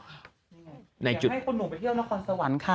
ให้คุณหนูไปเที่ยวนครสวรรค์ค่ะ